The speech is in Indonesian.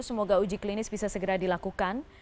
semoga uji klinis bisa segera dilakukan